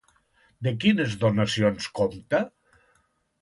De quines donacions compta?